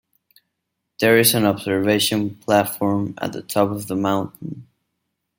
There is an observation platform at the top of the mountain.